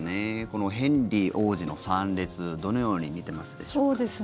このヘンリー王子の参列どのように見てますでしょうか。